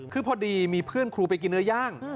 คือพอดีมีเพื่อนครูไปกินเนื้อย่าง